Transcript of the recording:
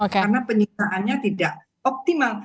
karena penyitaannya tidak optimal